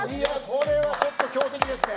これはちょっと強敵ですね。